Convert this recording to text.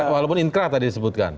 walaupun inkrah tadi disebutkan